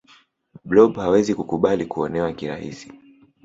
blob hawezi kukubali kuonewa kirahisi